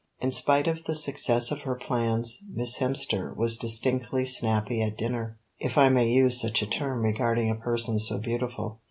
In spite of the success of her plans, Miss Hemster was distinctly snappy at dinner, if I may use such a term regarding a person so beautiful.